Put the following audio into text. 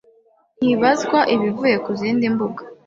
ntibazwa ibivuye ku zindi mbuga.